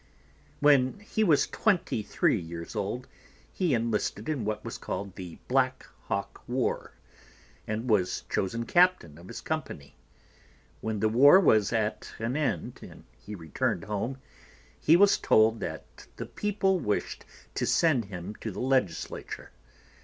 When he was twenty three years old, he enlisted in what was called the Black Hawk War, and was chosen captain of his company. When the war was at an end and he returned home, he was told that the people wished to send him to the legislature.